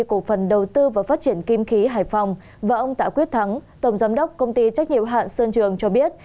cổ phần đầu tư và phát triển kim khí hải phòng và ông tạ quyết thắng tổng giám đốc công ty trách nhiệm hạn sơn trường cho biết